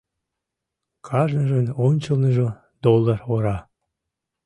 Кажныжын ончылныжо — доллар ора.